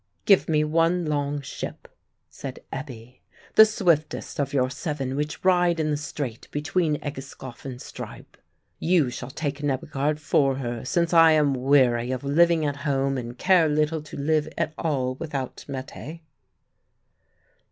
"Give me one long ship," said Ebbe; "the swiftest of your seven which ride in the strait between Egeskov and Stryb. You shall take Nebbegaard for her, since I am weary of living at home and care little to live at all without Mette."